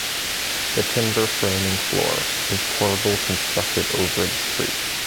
The timber framing floor is corbelled-constructed over the street.